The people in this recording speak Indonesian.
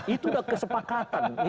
itu sudah kesepakatan